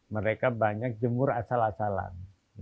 mereka banyak jemur asal asalan